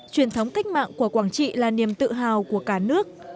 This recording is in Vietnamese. truyền thống cách mạng của quảng trị là niềm tự hào của cả nước